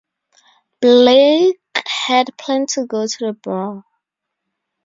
Blake had planned to go to the bar.